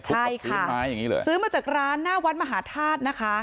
ใช่ค่ะซื้อไม้อย่างนี้เลยซื้อมาจากร้านหน้าวัดมหาธาตุนะคะ